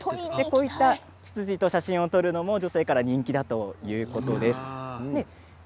こういったツツジと写真を撮るのも女性に人気だということです。